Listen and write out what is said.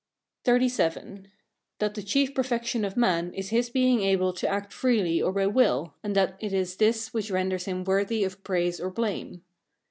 XXXVII. That the chief perfection of man is his being able to act freely or by will, and that it is this which renders him worthy of praise or blame.